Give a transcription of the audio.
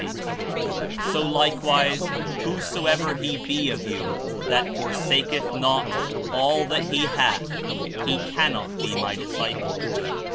"5o likeziise, zihoso ever he he of you that forsaketh not all that he hath, he cannot he my disciple."